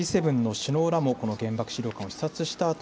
おとといはＧ７の首脳らもこの原爆資料館を視察した